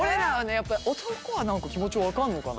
やっぱり男は何か気持ち分かんのかな。